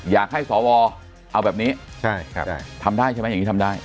อยากให้สวเอาแบบนี้ทำได้ใช่ไหมอย่างนี้ทำได้